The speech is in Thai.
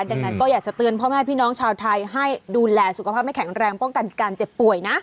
ดังนั้นก็อยากจะเตือนพ่อแม่พี่น้องชาวไทยให้ดูแลสุขภาพให้แข็งแรงป้องกันการเจ็บป่วยนะ